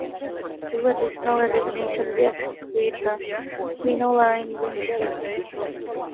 Two additional elimination reactions create the quinoline ring structure.